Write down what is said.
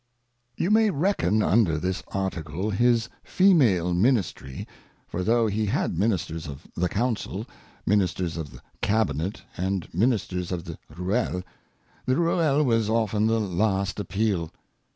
You may reckon under this Article his Female Ministry ; for though he had Ministers of the Council, Ministers of the Cabinet, and Ministers of the Ruelle ; the Ruelle was often the last Appeal.